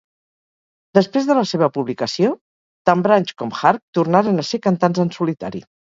Després de la seva publicació, tant Branch com Harp tornaren a ser cantants en solitari.